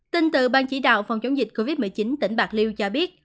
tin từ ban chỉ đạo phòng chống dịch covid một mươi chín tỉnh bạc liêu cho biết